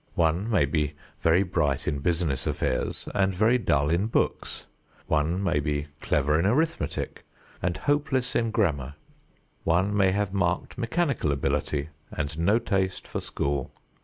One may be very bright in business affairs and very dull in books. One may be clever in arithmetic and hopeless in grammar. One may have marked mechanical ability and no taste for school.